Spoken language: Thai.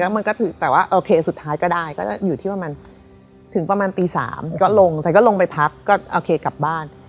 มันก็สื่อแต่ว่าโอเคสุดท้ายก็ได้ก็มันอยู่ในทีประมาณปี๓ก็ลงใส่ก็ลงไปพักก็โอเคกลับบ้าน